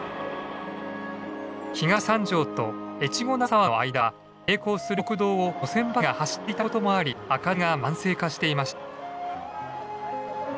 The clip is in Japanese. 東三条と越後長沢の間は並行する国道を路線バスが走っていたこともあり赤字が慢性化していました。